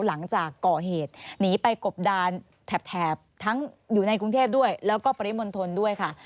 หลังจากก่อเหตุหนีไปกบดานแถบทั้งอยู่ในกรุงเทพด้วยแล้วก็ปริมณฑลด้วยค่ะ